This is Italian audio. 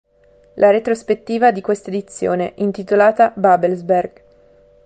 La retrospettiva di questa edizione, intitolata "Babelsberg.